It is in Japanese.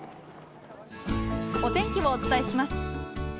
お天気をお伝えします。